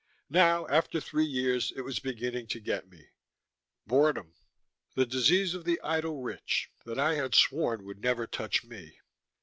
Now, after three years, it was beginning to get me: boredom, the disease of the idle rich, that I had sworn would never touch me.